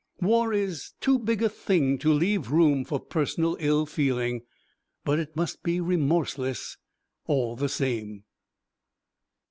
War is too big a thing to leave room for personal ill feeling, but it must be remorseless all the same.